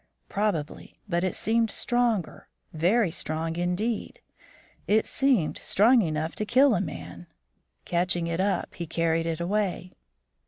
Probably; but it seemed stronger, very strong indeed; it seemed strong enough to kill a man. Catching it up, he carried it away.